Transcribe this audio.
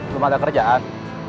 rumah ada kerjaan